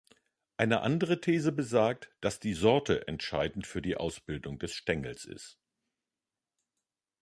Eine andere These besagt, dass die Sorte entscheidend für die Ausbildung des Stängels ist.